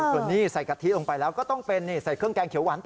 ส่วนนี้ใส่กะทิลงไปแล้วก็ต้องเป็นใส่เครื่องแกงเขียวหวานต่อ